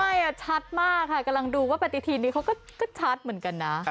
ชัดมากค่ะกำลังดูว่าปฏิทีนี้เขาก็ชัดเหมือนกันนะ